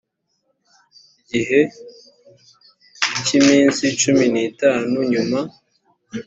gihe cy iminsi cumi n itanu nyuma